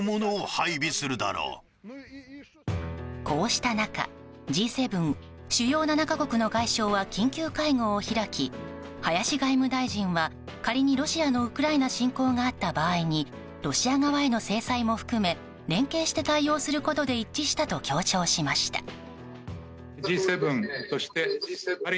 こうした中Ｇ７・主要７か国外相は緊急会合を開き林外務大臣は、仮にロシアのウクライナ侵攻があった場合にロシア側への制裁も含めて連携して対応することで一致したと強調しました。